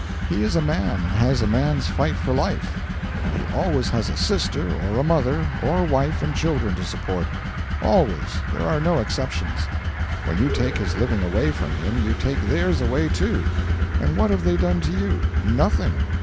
He is a man and has a man's fight for life. And he always has a sister, or a mother, or wife and children to support. Always there are no exceptions. When you take his living away from him you take theirs away too and what have they done to you? Nothing.